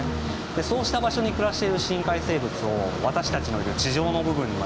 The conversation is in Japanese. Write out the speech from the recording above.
そうした場所に暮らしている深海生物を私たちのいる地上の部分にまで引き上げてくると。